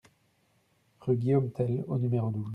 Rue Guillaume Tell au numéro douze